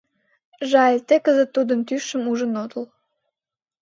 Жаль, тый кызыт тудын тӱсшым ужын отыл.